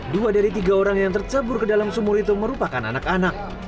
dua dari tiga orang yang tercebur ke dalam sumur itu merupakan anak anak